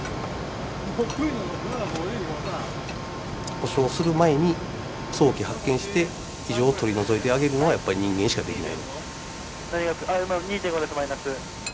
故障する前に早期発見して異常を取り除いてあげるのはやっぱり人間しかできない。